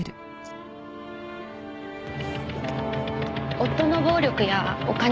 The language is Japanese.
夫の暴力やお金の事。